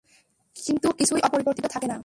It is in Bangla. কিন্তু কিছুই অপরিবর্তিত থাকে না।